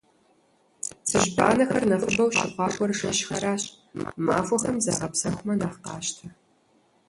Цыжьбанэхэр нэхъыбэу щыхъуакӏуэр жэщхэращ, махуэхэм загъэпсэхумэ нэхъ къащтэ.